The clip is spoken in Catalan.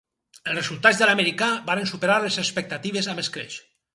Els resultats de l'americà varen superar les expectatives amb escreix.